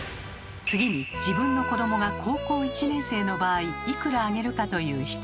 次に自分の子どもが高校１年生の場合いくらあげるかという質問。